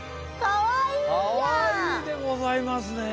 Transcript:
かわいいでございますね。